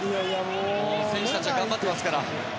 選手たちは頑張っていますから。